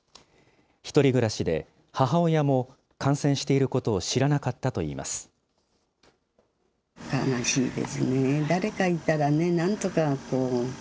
１人暮らしで、母親も感染していることを知らなかったといいます。